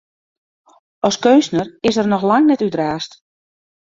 As keunstner is er noch lang net útraasd.